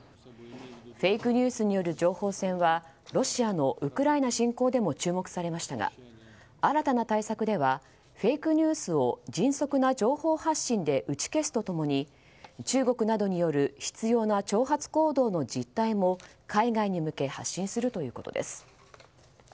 フェイクニュースによる情報戦はロシアのウクライナ侵攻でも注目されましたが新たな対策ではフェイクニュースを迅速な情報発信で打ち消すと共に中国などによる執拗な挑発行動の実態も海外に向け発信するということです。